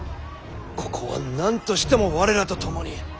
ここは何としても我らと共に。